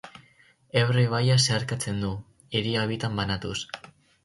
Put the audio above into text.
Ebro ibaia zeharkatzen du, hiria bitan banatuz.